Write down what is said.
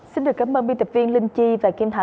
xin được cảm ơn biên tập viên linh chi và kim thái